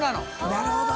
なるほど。